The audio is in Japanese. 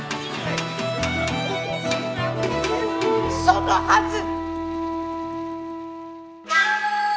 そのはず。